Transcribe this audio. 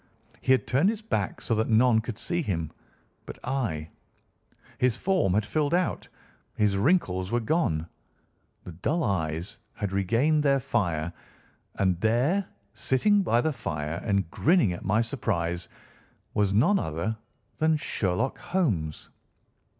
He had turned his back so that none could see him but I. His form had filled out, his wrinkles were gone, the dull eyes had regained their fire, and there, sitting by the fire and grinning at my surprise, was none other than Sherlock Holmes.